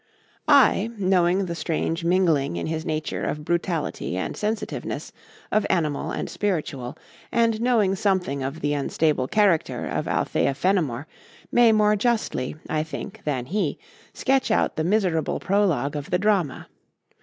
I, knowing the strange mingling in his nature of brutality and sensitiveness, of animal and spiritual, and knowing something of the unstable character of Althea Fenimore, may more justly, I think, than he, sketch out the miserable prologue of the drama.